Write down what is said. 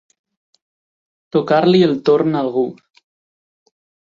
Tocar-li el torn a algú.